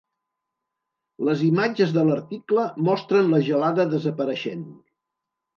Les imatges de l'article mostren la gelada desapareixent.